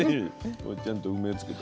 これちゃんと梅つけて。